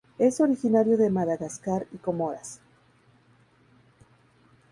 Es originario de Madagascar y Comoras.